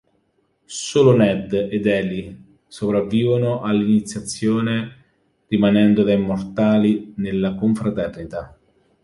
Solo Ned ed Eli sopravvivono all'iniziazione rimanendo da immortali nella confraternita.